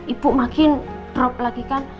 ibu makin drop lagi kan